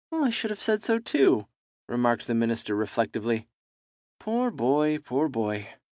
"I should have said so too," remarked the minister, reflectively. "Poor boy, poor boy!